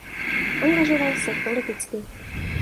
Angažoval se politicky.